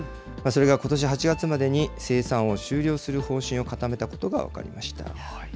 それがことし８月までに、生産を終了する方針を固めたことが分かりました。